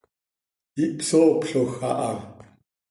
Ihpsooploj aha.